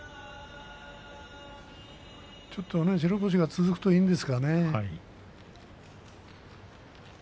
ちょっと白星が続くといいんですけれどもね。